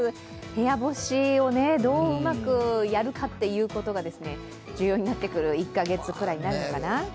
部屋干しをどううまくやるかっていうことが重要になってくる１カ月ぐらいになるのかな？